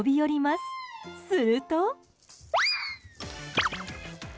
すると。